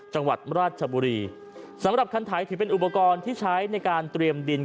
จังหวัดราชบุรีสำหรับคันไถถือเป็นอุปกรณ์ที่ใช้ในการเตรียมดิน